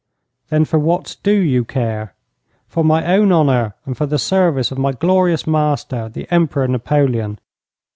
'Then for what do you care?' 'For my own honour and for the service of my glorious master, the Emperor Napoleon.'